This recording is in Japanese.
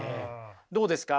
どうですか？